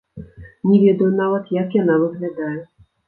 Не ведаю нават, як яна выглядае.